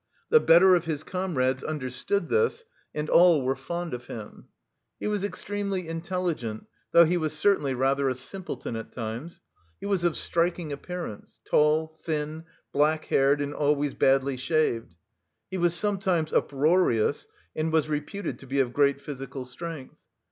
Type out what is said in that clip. The better of his comrades understood this, and all were fond of him. He was extremely intelligent, though he was certainly rather a simpleton at times. He was of striking appearance tall, thin, blackhaired and always badly shaved. He was sometimes uproarious and was reputed to be of great physical strength.